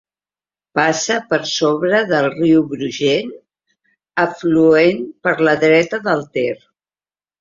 Passa per sobre del riu Brugent, afluent per la dreta del Ter.